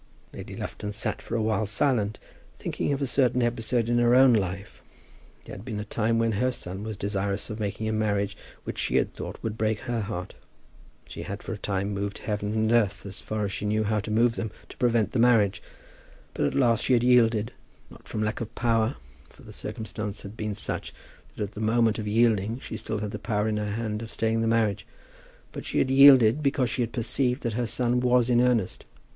Lady Lufton sat for a while silent, thinking of a certain episode in her own life. There had been a time when her son was desirous of making a marriage which she had thought would break her heart. She had for a time moved heaven and earth, as far as she knew how to move them, to prevent the marriage. But at last she had yielded, not from lack of power, for the circumstances had been such that at the moment of yielding she had still the power in her hand of staying the marriage, but she had yielded because she had perceived that her son was in earnest.